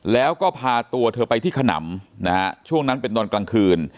แล้วก็พาตัวเธอไปที่ขนำนะฮะช่วงนั้นเป็นตอนกลางคืน